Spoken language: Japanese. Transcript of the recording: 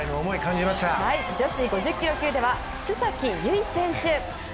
女子５０ｋｇ級では須崎優衣選手。